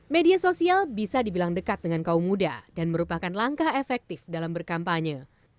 media sosial bisa dibilang dekat dengan kaum muda dan merupakan langkah efektif dalam berkampanye